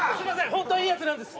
ホントはいいやつなんです